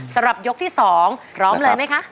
สำหรับยกที่๒พร้อมเลยไหมคะ